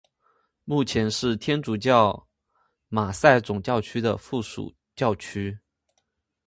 目前是天主教马赛总教区的附属教区。